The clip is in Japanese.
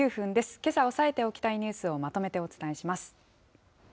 けさ押さえておきたいニュースをまとめてお伝えします。